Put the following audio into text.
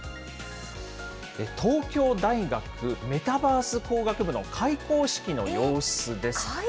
東京大学メタバース工学部の開講式の様子です。